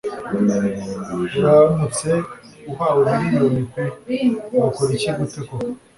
Uramutse uhawe miliyoni pe wakora iki gute koko